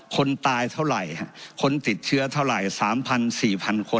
คนตายเท่าไหร่คนติดเชื้อเท่าไหร่๓๐๐๔๐๐คน